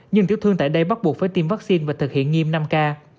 nhưng tiểu thương tại đây bắt buộc phải tiêm vaccine và thực hiện nghiêm năm k